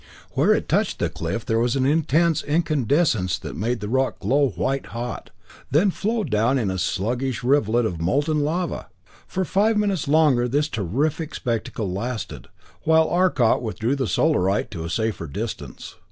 Where it touched the cliff there was intense incandescence that made the rock glow white hot, then flow down in a sluggish rivulet of molten lava! For five minutes longer this terrific spectacle lasted, while Arcot withdrew the Solarite to a safer distance.